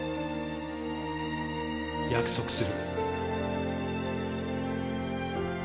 約束する。